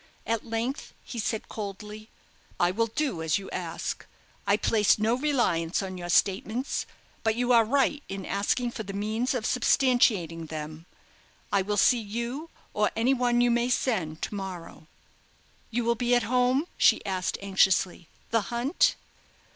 At length he said coldly: "I will do as you ask. I place no reliance on your statements, but you are right in asking for the means of substantiating them. I will see you, or any one you may send to morrow." "You will be at home?" she asked, anxiously. "The hunt?"